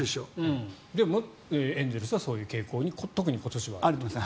でもエンゼルスはそういう傾向に特に今年はある。